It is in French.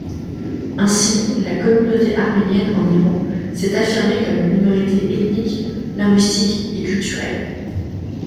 Ainsi, la communauté arménienne en Iran s'est affirmée comme minorité ethnique, linguistique et culturelle.